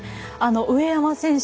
上山選手。